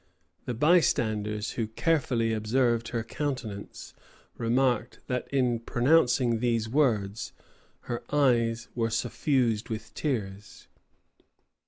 The bystanders, who carefully observed her countenance, remarked, that in pronouncing these words her eyes were suffused with tears.